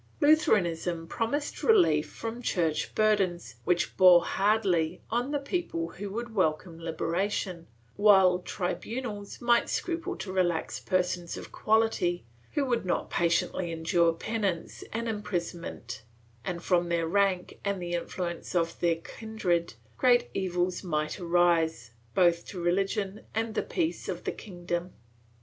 Lutheranism promised relief from Church burdens, which bore hardly on the people who would welcome liberation, while tri bunals might scruple to relax persons of quality who would not patiently endure penance and imprisonment and, from their rank and the influence of their kindred, great evils might arise, both to religion and the peace of the kingdom.